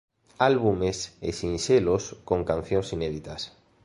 Álbums e sinxelos con cancións inéditas